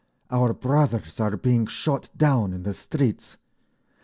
Our brothers are being shot down in the streets!